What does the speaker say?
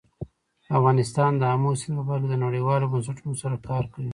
افغانستان د آمو سیند په برخه کې نړیوالو بنسټونو سره کار کوي.